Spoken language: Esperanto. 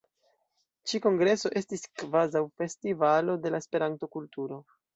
Ĉi kongreso estis kvazaŭ festivalo de la Esperanto-kulturo.